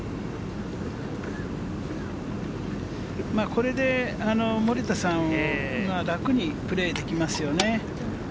これで森田さんが楽にプレーできますよね。